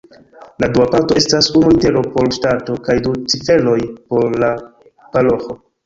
La dua parto estas unu litero por ŝtato kaj du ciferoj por paroĥo.